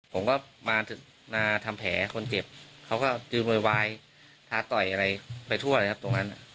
ผมก็มาทำแผลคนเจ็บเขาก็ยืนโวยวายท้าต่อยอะไรไปทั่วเลยครับตรงนั้น